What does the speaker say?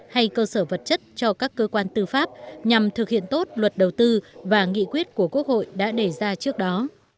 hay cơ sở vật chất cho các cơ quan tư pháp nhằm thực hiện tốt luật đầu tư và nghị quyết của quốc hội đã đề ra trước đó